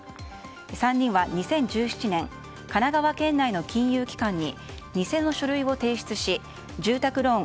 ３人は２０１７年神奈川県内の金融機関に偽の書類を提出し住宅ローン